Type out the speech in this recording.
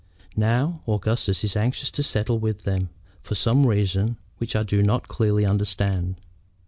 Now, Augustus is anxious to settle with them, for some reason which I do not clearly understand.